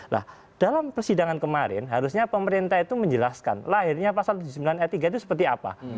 nah dalam persidangan kemarin harusnya pemerintah itu menjelaskan lahirnya pasal tujuh puluh sembilan ayat tiga itu seperti apa